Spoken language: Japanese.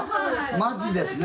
マジですね？